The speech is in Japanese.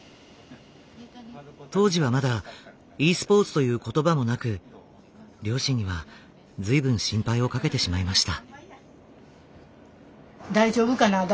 当時はまだｅスポーツという言葉もなく両親には随分心配をかけてしまいました。